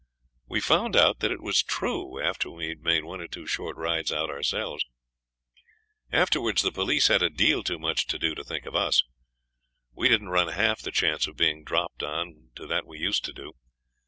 We found out that it was true after we'd made one or two short rides out ourselves. Afterwards the police had a deal too much to do to think of us. We didn't run half the chance of being dropped on to that we used to do.